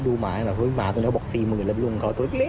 ลุงเขาตัวเล็กเล็ก